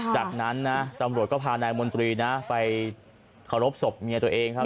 จากนั้นนะตำรวจก็พานายมนตรีนะไปเคารพศพเมียตัวเองครับ